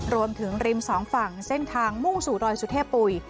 รวมถึงริมสองฝั่งเส้นทางมุ่งสู่ดอยสุเทพปุ๋ย